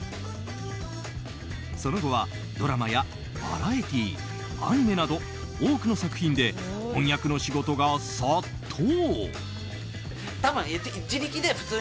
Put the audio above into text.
その後は、ドラマやバラエティーアニメなど多くの作品で翻訳の仕事が殺到。